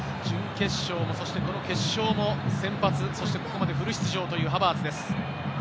準決勝もこの決勝も先発、そしてここまでフル出場というハバーツです。